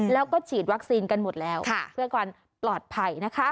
แล้วก็ฉีดวัคซีนกันหมดแล้วเพื่อความปลอดภัยนะคะ